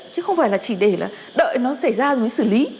chứ không phải là chỉ để là đợi nó xảy ra rồi mới xử lý